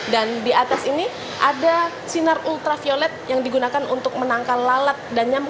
dan di atas ini ada sinar ultraviolet yang digunakan untuk menangkal lalat dan nyamuk